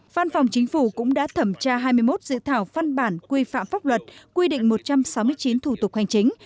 văn phòng chính phủ cũng đã thẩm tra hai mươi một dự thảo văn bản quy phạm pháp luật quy định một trăm sáu mươi chín thủ tục hành chính